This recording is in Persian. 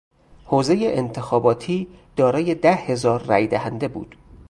حوزهی انتخاباتی دارای ده هزار رای دهنده بود.